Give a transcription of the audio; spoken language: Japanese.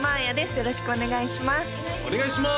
よろしくお願いします